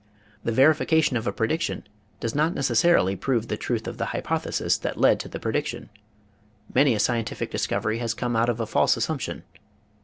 The verification of a prediction does not necessarily prove the truth of the hypothesis that led to the prediction. Many a scientific discovery has come out of a false assumption.